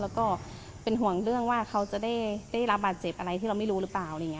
แล้วก็เป็นห่วงเรื่องว่าเขาจะได้รับบาดเจ็บอะไรที่เราไม่รู้หรือเปล่าอะไรอย่างนี้